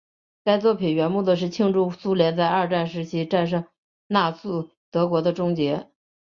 该作品原目的是庆祝苏联在二战时期战胜纳粹德国的终结。